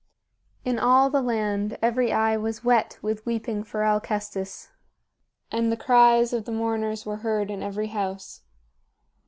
In all the land every eye was wet with weeping for Alcestis, and the cries of the mourners were heard in every house.